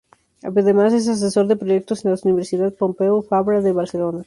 Además es asesor de proyectos en la Universidad Pompeu Fabra de Barcelona.